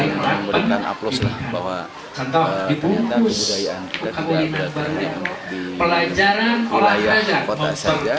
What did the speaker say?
dan memberikan aplos bahwa ternyata kebudayaan kita tidak terlalu di wilayah kota saja